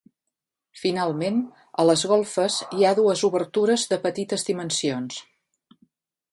Finalment, a les golfes hi ha dues obertures de petites dimensions.